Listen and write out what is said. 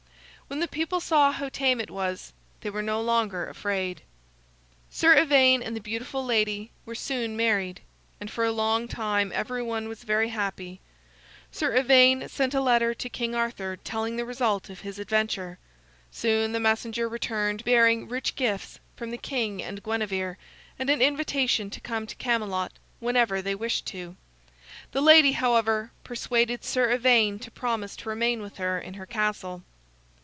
When the people saw how tame it was, they were no longer afraid. Sir Ivaine and the beautiful lady were soon married, and for a long time everyone was very happy. Sir Ivaine sent a letter to King Arthur telling the result of his adventure. Soon the messenger returned bearing rich gifts from the king and Guinevere, and an invitation to come to Camelot whenever they wished to. The lady, however, persuaded Sir Ivaine to promise to remain with her in her castle.